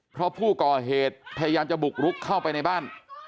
เพราะผู้ก่อเหตุพยายามจะบุกรุกเข้าไปในบ้าน